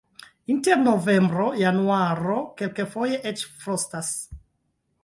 Inter novembro-januaro kelkfoje eĉ frostas.